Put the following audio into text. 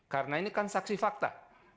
karena ini kan saksi fakta